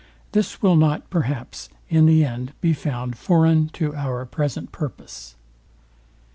This will not, perhaps, in the end be found foreign to our present purpose.